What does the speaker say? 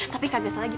tapi kagak salah lagi